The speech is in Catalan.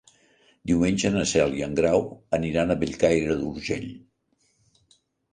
Diumenge na Cel i en Grau aniran a Bellcaire d'Urgell.